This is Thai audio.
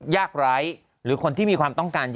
ยากไร้หรือคนที่มีความต้องการ